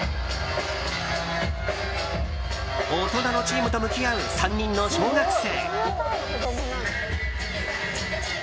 大人のチームと向き合う３人の小学生。